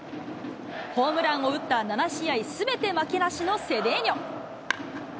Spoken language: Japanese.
ホームランを打った７試合すべて負けなしのセデーニョ。